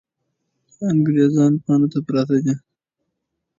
انګریزان پاڼو ته پراته دي.